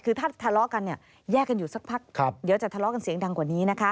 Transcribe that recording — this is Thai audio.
คือถ้าทะเลาะกันแยกกันอยู่สักพักถ้าทะเลาะกันเสียงดังกว่านี้